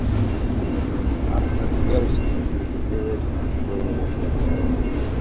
Arkhangelsky is the nearest rural locality.